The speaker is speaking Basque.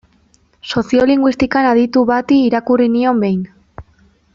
Soziolinguistikan aditu bati irakurri nion behin.